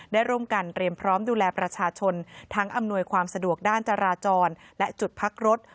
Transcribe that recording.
ได้ร่วมกันเตรียมพร้อมดูแลประชาชนทั้งอำนวยความสะดวกด้านจราจรและจุดพักรถ